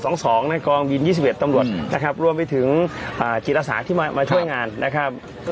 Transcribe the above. มศ๒๒นะครับกองวิทยุ๒๑ตำรวจนะครับรวมไปถึงจิตอาสาที่มาช่วยงานนะครับ